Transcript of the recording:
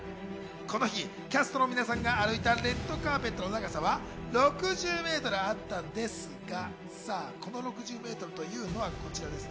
この日、キャストの皆さんが歩いたレッドカーペットの長さは６０メートルあったんですが、この６０メートルというのはこちらです。